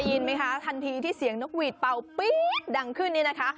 ได้ยินไหมคะทันทีที่เสียงนกหวีดเป่าปี๊ดดังขึ้นนี่นะคะ